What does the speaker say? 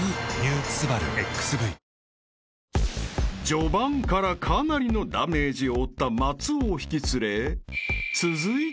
［序盤からかなりのダメージを負った松尾を引き連れ］